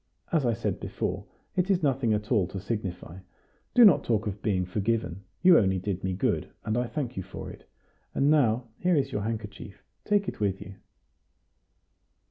As I said before, it is nothing at all to signify. Do not talk of being forgiven; you only did me good, and I thank you for it. And now, here is your handkerchief; take it with you."